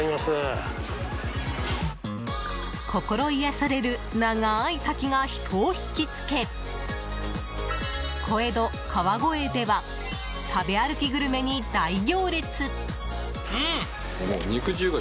心癒やされる長い滝が人を引きつけ小江戸・川越では食べ歩きグルメに大行列！